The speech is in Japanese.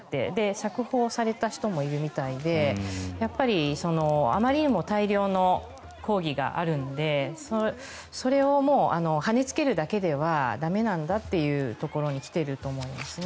釈放された人もいるみたいでやっぱり、あまりにも大量の抗議があるのでそれをはねつけるだけでは駄目なんだというところに来ていると思いますね。